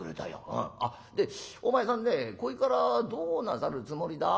うんあっでお前さんねこれからどうなさるつもりだ？